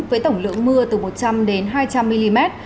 với tổng lượng mưa từ một trăm linh đến hai trăm linh mm